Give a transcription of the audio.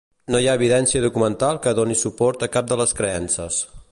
No hi ha evidència documental que doni suport a cap de les creences.